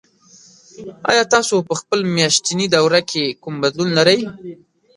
ایا تاسو په خپل میاشتني دوره کې کوم بدلون لرئ؟